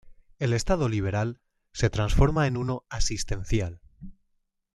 El Estado liberal se transforma en uno asistencial.